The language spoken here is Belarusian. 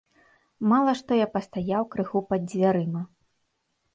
Мала што я пастаяў крыху пад дзвярыма.